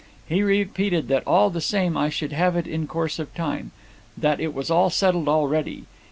He repeated that all the same I should have it in course of time. That it was all settled already.